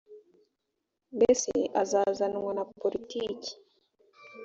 mbese azazanwa na politiki